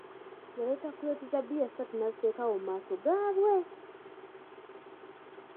Yaleeta kuleeti za bbiya ssatu n'aziteeka awo mu maaso gabwe!